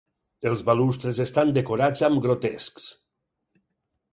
Els balustres estan decorats amb grotescs.